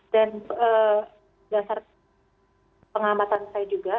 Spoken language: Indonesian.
dan berdasarkan pengamatan saya juga